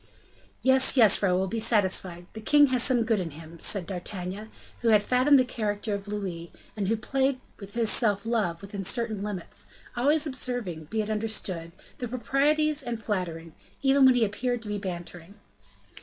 "Yes, yes, Raoul, be satisfied; the king has some good in him," said D'Artagnan, who had fathomed the character of Louis, and who played with his self love, within certain limits; always observing, be it understood, the proprieties and flattering, even when he appeared to be bantering.